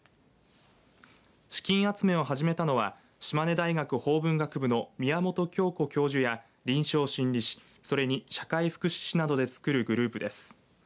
資金集めを始めたのは島根大学法文学部の宮本恭子教授や臨床心理士それに社会福祉士などでつくるグループです。